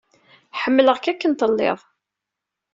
Ḥemmleɣ-k akken i telliḍ.